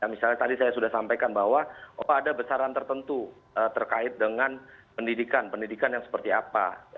misalnya tadi saya sudah sampaikan bahwa oh ada besaran tertentu terkait dengan pendidikan pendidikan yang seperti apa